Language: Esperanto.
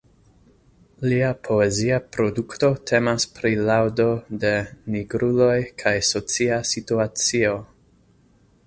Lia poezia produkto temas pri laŭdo de "nigruloj kaj socia situacio".